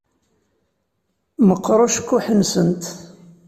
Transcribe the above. Meqqeṛ ucekkuḥ-nsent.